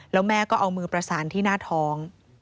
แล้วแม่ก็เอามือประสานที่หน้าท้อง